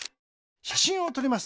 しゃしんをとります。